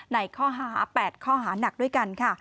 ในข้อหา๘ข้อหานักด้วยกันค่ะ